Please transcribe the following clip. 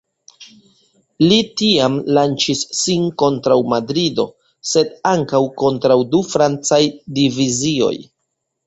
Li tiam lanĉis sin kontraŭ Madrido sed ankaŭ kontraŭ du francaj divizioj.